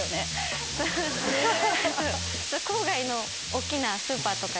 郊外の大きなスーパーとかに。